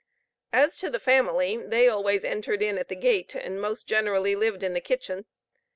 As to the family, they always entered in at the gate, and most generally lived in the kitchen.